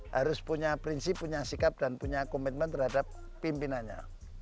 harus punya prinsip punya sikap dan punya komitmen terhadap pimpinannya